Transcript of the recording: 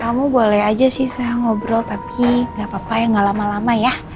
kamu boleh aja sih saya ngobrol tapi gak apa apa ya gak lama lama ya